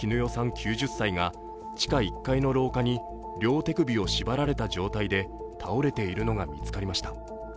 ９０歳が地下１階の廊下に両手首を縛られた状態で倒れているのが見つかりました。